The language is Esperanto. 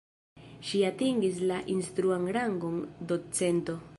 Ŝi atingis la instruan rangon docento.